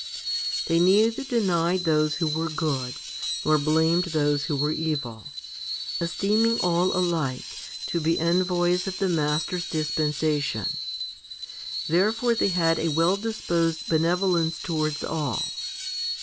1 They neither denied those who were good, nor blamed those who were evil, esteeming all alike to be envoys of the Master's dispensation. Therefore they had a well disposed benevolence towards all.